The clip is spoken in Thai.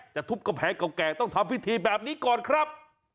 ทุบกำแพงเก่าแก่ต้องทำพิธีแบบนี้ก่อนครับ